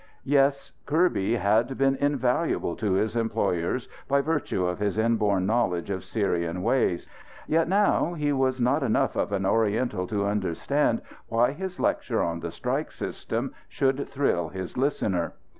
Yes, Kirby had been invaluable to his employers by virtue of his inborn knowledge of Syrian ways. Yet, now, he was not enough of an Oriental to understand why his lecture on the strike system should thrill his listener.